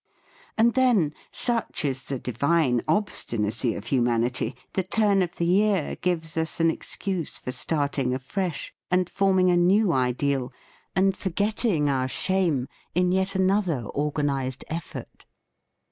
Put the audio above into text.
And then, such is the divine obstinacy of humanity, the turn of the year gives us an excuse for starting afresh, and forming a new ideal, and forgetting our shame in yet another organised ef fort.